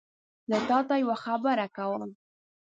زه تاته یوه خبره کوم